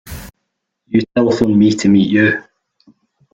You telephoned me to meet you.